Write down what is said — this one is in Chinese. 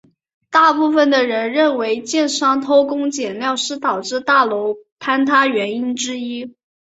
大部分的人认为建商偷工减料是导致大楼坍塌原因之一。